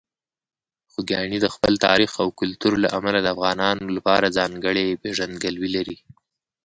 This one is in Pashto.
خوږیاڼي د خپل تاریخ او کلتور له امله د افغانانو لپاره ځانګړې پېژندګلوي لري.